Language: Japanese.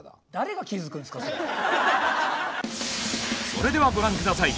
それではご覧下さい。